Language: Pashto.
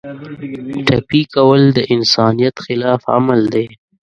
ټپي کول د انسانیت خلاف عمل دی.